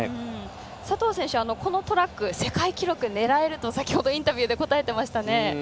佐藤選手、このトラック世界記録狙えると先ほどインタビューで答えていましたね。